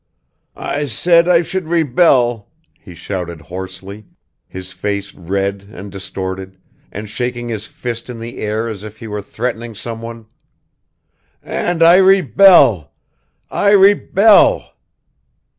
"I said I should rebel!" he shouted hoarsely, his face red and distorted, and shaking his fist in the air as if he were threatening someone. "And I rebel, I rebel!"